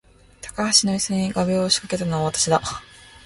高橋の椅子に画びょうを仕掛けたのは私だ